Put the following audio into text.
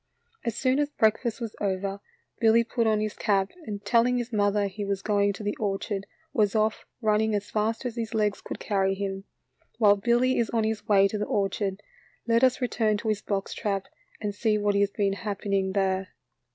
As soon as breakfast was over, Billy put on his cap, and telling his mother he was going to the orchard, was off, running as fast as his legs could carry him. While Billy is on his way to the orchard, let us return to his box trap and see what has been happening there.